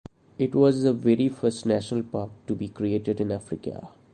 It was the very first National Park to be created in Africa.